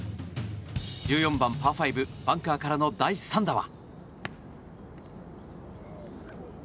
１４番、パー５バンカーからの第３打は。